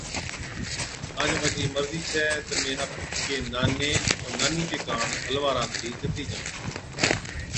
ڪان جو مانڇِي مرضِي ڇَي تہ مين آپڪي ناني ائُون نانِي چي ڪاڻ حلوا رانڌتِي چتِي جان۔